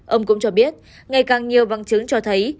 ông cũng cho biết ngày càng nhiều băng chứng cho thấy